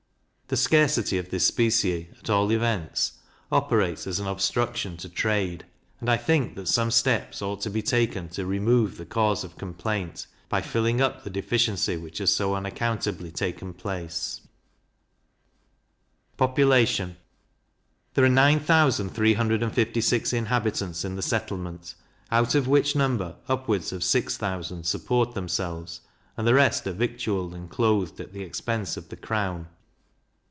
The scarcity of this specie, at all events, operates as an obstruction to trade; and I think that some steps ought to be taken to remove the cause of complaint, by filling up the deficiency which has so unaccountably taken place. Population. There are nine thousand three hundred and fifty six inhabitants in the settlement, out of which number upwards of six thousand support themselves, and the rest are victualled and clothed at the expense of the crown.